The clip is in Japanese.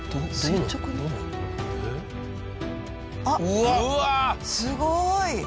あっすごい！